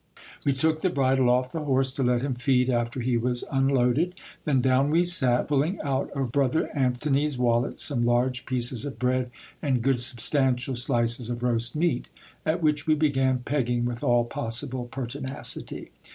We took the bridle off the horse to let him feed after he was unloaded. Then down we sat, pulling out of bro ther Antony's wallet some large pieces of bread and good substantial slices of roast meat, at which we began pegging with all possible pertinacity.